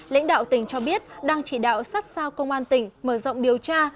lãnh đạo tỉnh cho biết đang chỉ đạo sát sao công an tỉnh mở rộng điều tra